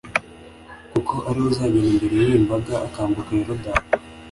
kuko ari we uzagenda imbere y’iyi mbaga akambuka yorudani